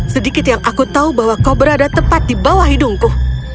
sedikit yang aku tahu bahwa kau berada tepat di bawah hidungku